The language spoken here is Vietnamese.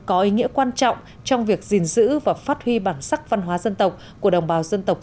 có ý nghĩa quan trọng trong việc gìn giữ và phát huy bản sắc văn hóa dân tộc của đồng bào dân tộc